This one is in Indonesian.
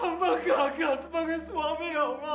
amakunah beribadahmu kepadamu ya allah